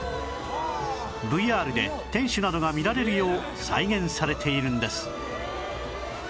ＶＲ で天守などが見られるよう再現されているんです